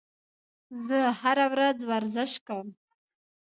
زه هره ورځ ورزش کوم.